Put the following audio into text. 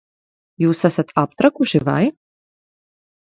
Jūs esat aptrakuši, vai?